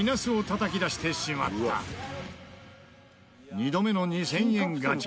２度目の２０００円ガチャ。